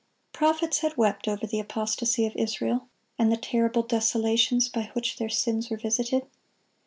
Prophets had wept over the apostasy of Israel, and the terrible desolations by which their sins were visited.